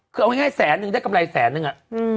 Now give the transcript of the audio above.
คือเอาง่ายแสนนึงได้กำไรแสนนึงอะ